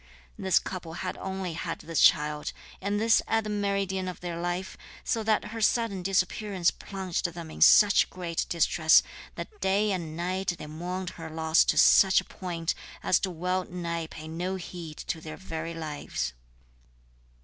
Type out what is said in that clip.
This couple had only had this child, and this at the meridian of their life, so that her sudden disappearance plunged them in such great distress that day and night they mourned her loss to such a point as to well nigh pay no heed to their very lives.